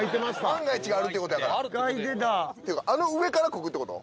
万が一があるっていうことやから書いてたあの上からこぐってこと？